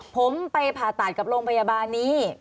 ผมไปผ่าตัดกับโรงพยาบาลนี้